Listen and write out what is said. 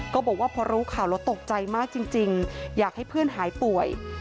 บอกว่าพอรู้ข่าวแล้วตกใจมากจริงอยากให้เพื่อนหายป่วย